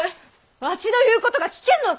わしの言うことが聞けぬのか！